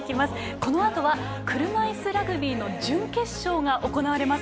このあとは、車いすラグビーの準決勝が行われます。